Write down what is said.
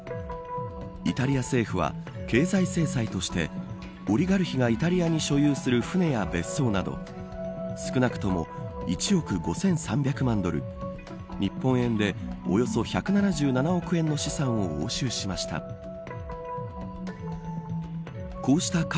イタリア政府は経済制裁としてオリガルヒがイタリアに所有する船や別荘など少なくとも１億５３００万ドル日本円で、およそ１７７億円の資産を押収しました。